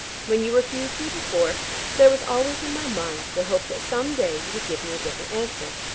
When you refused me before, there was always in my mind the hope that some day you would give me a different answer.